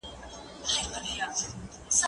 زه مړۍ خوړلي ده!!